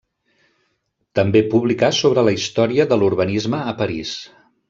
També publicà sobre la història de l'urbanisme a París.